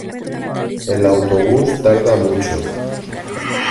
El autobús tarda mucho.